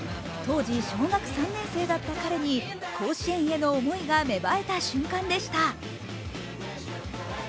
当時、小学３年生だった彼に甲子園への思いが芽生えた瞬間でした。